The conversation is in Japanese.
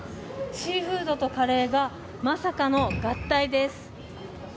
シーフードとカレーが、まさかの合体です。